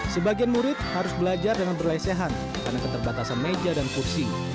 sebagian murid harus belajar dengan berlesehan karena keterbatasan meja dan kursi